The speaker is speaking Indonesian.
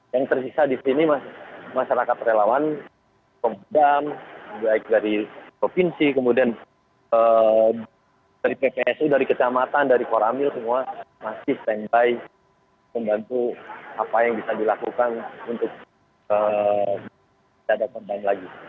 yang tersisa di sini masih masyarakat relawan pembidang baik dari provinsi kemudian dari ppsu dari keselamatan dari koramil semua masih stand by membantu apa yang bisa dilakukan untuk tidak terpendam lagi